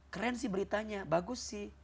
keren sih beritanya bagus sih